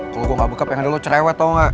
kalau gue nggak bekap yang ada lo cerewet tau nggak